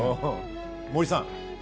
森さん。